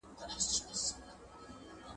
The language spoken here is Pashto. • خر چي تر خره پاته سو، لکۍ ئې د پرې کېدو ده.